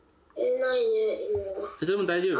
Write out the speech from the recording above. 大丈夫？